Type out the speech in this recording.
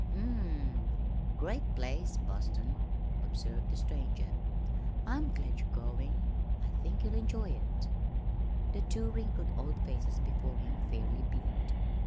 "Hm m! great place, Boston," observed the stranger. "I'm glad you're going. I think you'll enjoy it." The two wrinkled old faces before him fairly beamed.